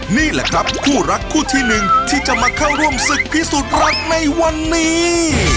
นี่แหละครับคู่รักคู่ที่หนึ่งที่จะมาเข้าร่วมศึกพิสูจน์รักในวันนี้